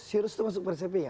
serius itu maksud persepi ya